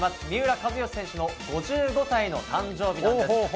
三浦知良選手の５５歳の誕生日なんです。